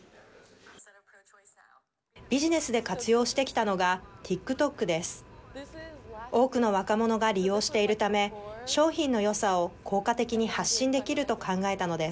ビジネスで活用してきたのがＴｉｋＴｏｋです。